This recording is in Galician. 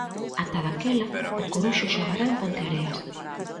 Ata daquela, o Coruxo xogará en Ponteareas.